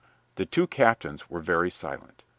The two captains were very silent.